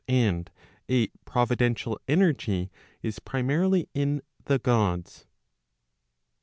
And a providential energy is primarily in the Gods.